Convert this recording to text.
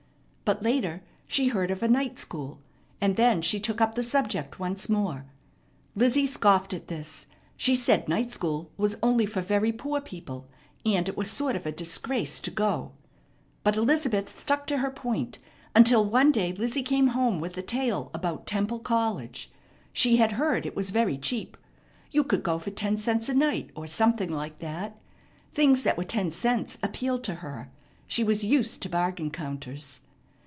But later she heard of a night school, and then she took up the subject once more. Lizzie scoffed at this. She said night school was only for very poor people, and it was a sort of disgrace to go. But Elizabeth stuck to her point, until one day Lizzie came home with a tale about Temple College. She had heard it was very cheap. You could go for ten cents a night, or something like that. Things that were ten cents appealed to her. She was used to bargain counters.